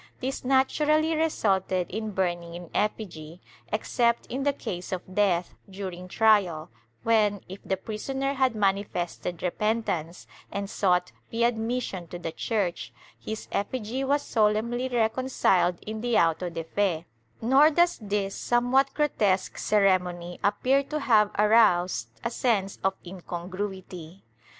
This natur ally resulted in burning in effigy, except in the case of death during trial, when, if the prisoner had manifested repentance and sought readmission to the Church, his effigy was solemnly reconciled in the auto de fe, nor does this somewhat grotesque ceremony appear to have aroused a sense of incongruity.